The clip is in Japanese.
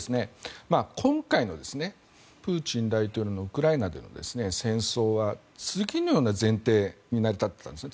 今回のプーチン大統領のウクライナでの戦争は次のような前提で成り立っていたんです。